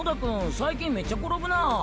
最近めっちゃ転ぶな。